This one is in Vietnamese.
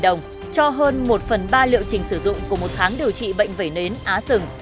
hai trăm năm mươi đồng cho hơn một phần ba liệu trình sử dụng của một tháng điều trị bệnh vẩy nến á sừng